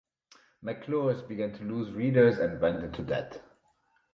"McClure's" began to lose readers and went into debt.